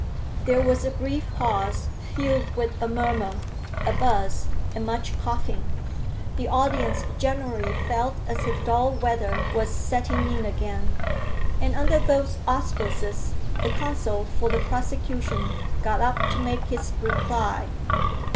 There was a brief pause, filled with a murmur, a buzz, and much coughing. The audience generally felt as if dull weather was setting in again. And under those auspices the counsel for the prosecution got up to make his reply.